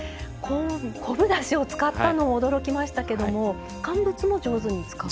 昆布だしを使ったのも驚きましたけども乾物も上手に使う。